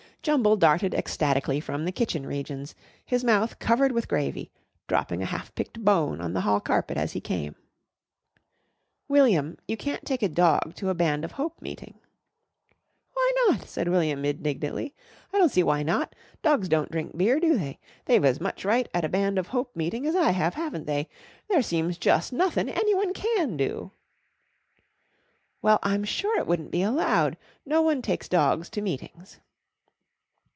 Jumble darted ecstatically from the kitchen regions, his mouth covered with gravy, dropping a half picked bone on the hall carpet as he came. "William, you can't take a dog to a Band of Hope meeting." "Why not?" said William, indignantly. "I don't see why not. Dogs don't drink beer, do they? They've as much right at a Band of Hope meeting as I have, haven't they? There seems jus' nothin' anyone can do." "Well, I'm sure it wouldn't be allowed. No one takes dogs to meetings."